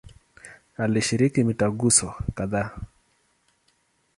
Alishiriki mitaguso kadhaa.